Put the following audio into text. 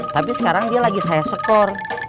tapi sekarang dia lagi saya skor